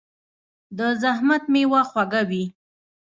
د زحمت میوه خوږه وي.